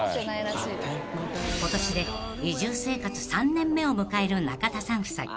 ［今年で移住生活３年目を迎える中田さん夫妻］